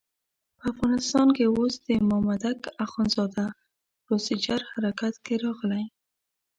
په افغانستان کې اوس د مامدک اخندزاده پروسیجر حرکت کې راغلی.